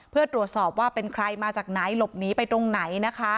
เพื่อตรวจสอบว่าเป็นใครมาจากไหนหลบหนีไปตรงไหนนะคะ